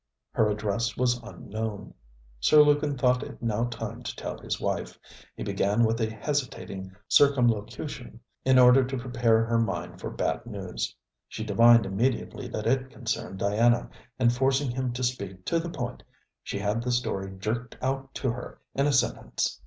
Her address was unknown. Sir Lukin thought it now time to tell his wife. He began with a hesitating circumlocution, in order to prepare her mind for bad news. She divined immediately that it concerned Diana, and forcing him to speak to the point, she had the story jerked out to her in a sentence.